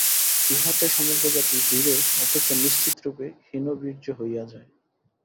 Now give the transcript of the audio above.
ইহাতে সমগ্র জাতি ধীরে অথচ নিশ্চিতরূপে হীনবীর্য হইয়া যায়।